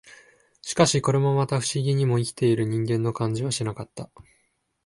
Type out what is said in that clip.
しかし、これもまた、不思議にも、生きている人間の感じはしなかった